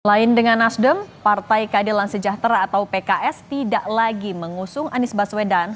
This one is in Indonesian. selain dengan nasdem partai keadilan sejahtera atau pks tidak lagi mengusung anies baswedan